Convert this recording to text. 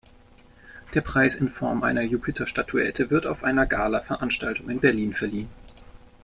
Der Preis in Form einer Jupiter-Statuette wird auf einer Galaveranstaltung in Berlin verliehen.